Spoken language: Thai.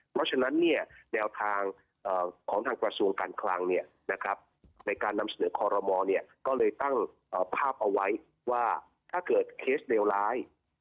เพราะฉะนั้นเนี่ยแนวทางของทางประสูงการคลังเนี่ยนะครับในการนำเสนอคอลโลมอลเนี่ยก็เลยตั้งภาพเอาไว้ว่าถ้าเกิดเคสเดียวร้าย